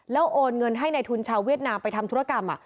แล้วโอนเงินให้ในทุนชาวเวียดนามไปทำธุรกรรม